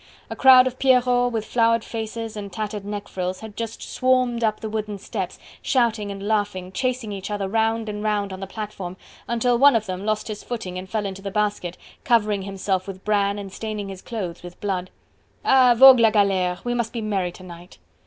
A crowd of Pierrots with floured faces and tattered neck frills had just swarmed up the wooden steps, shouting and laughing, chasing each other round and round on the platform, until one of them lost his footing and fell into the basket, covering himself with bran and staining his clothes with blood. "Ah! vogue la galere! We must be merry to night!"